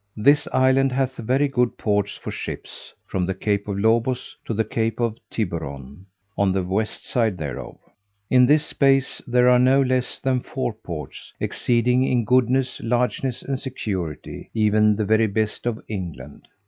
This island hath very good ports for ships, from the Cape of Lobos to the Cape of Tiburon, on the west side thereof. In this space there are no less than four ports, exceeding in goodness, largeness, and security, even the very best of England.